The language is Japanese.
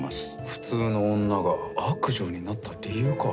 普通の女が悪女になった理由か。